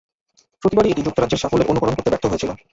প্রতিবারই এটি যুক্তরাজ্যের সাফল্যের অনুকরণ করতে ব্যর্থ হয়েছিল।